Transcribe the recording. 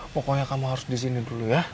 pokoknya kamu harus disini dulu ya